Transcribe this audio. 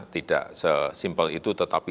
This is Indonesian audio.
tidak sesimpel itu tetapi